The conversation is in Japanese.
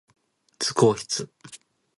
図工室